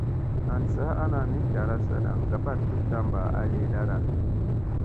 An saa ana ni zlara sana ngaɓat u tamba a lidada.